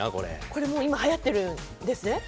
これもう今はやってるんですね？